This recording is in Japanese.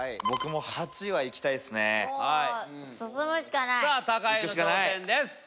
僕も８はいきたいですね。